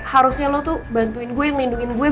harusnya lo tuh bantuin gue ngelindungin gue